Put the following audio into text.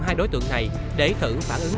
hai đối tượng này để thử phản ứng